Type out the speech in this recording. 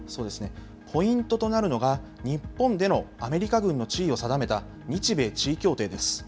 ポイントとなるのが、日本でのアメリカ軍の地位を定めた日米地位協定です。